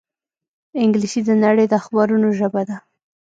انګلیسي د نړۍ د اخبارونو ژبه ده